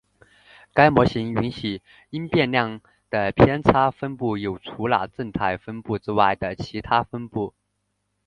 该模型允许因变量的偏差分布有除了正态分布之外的其它分布。